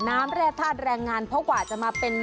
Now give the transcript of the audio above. แร่ธาตุแรงงานเพราะกว่าจะมาเป็น